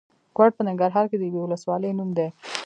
کوټ په ننګرهار کې د یوې ولسوالۍ نوم دی.